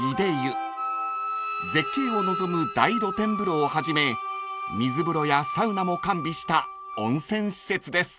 ［絶景を望む大露天風呂をはじめ水風呂やサウナも完備した温泉施設です］